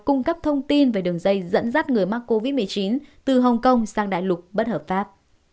cung cấp thông tin về đường dây dẫn dắt người mắc covid một mươi chín từ hồng kông sang đại lục bất hợp pháp